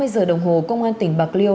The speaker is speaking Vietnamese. ba mươi giờ đồng hồ công an tỉnh bạc liêu